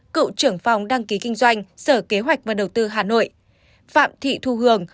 cựu trưởng phòng đăng ký kinh doanh sở kế hoạch và đầu tư hà nội phạm thị thu hường